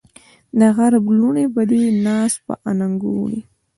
دغرب لوڼې به دې ناز په اننګو وړي